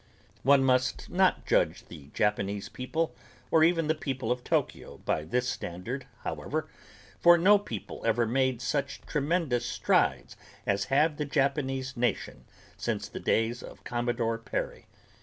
One must not judge the Japanese people or even the people of Tokyo by this standard, however, for no people ever made such tremendous strides as have the Japanese nation since the days of Commodore Perry.